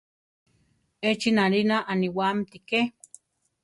Echi nalina aniwáamti ké.